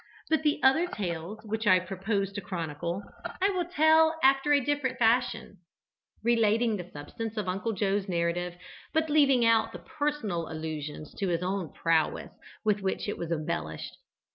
But the other tales which I propose to chronicle I will tell after a different fashion, relating the substance of Uncle Joe's narrative, but leaving out the personal allusions to his own prowess with which it was embellished.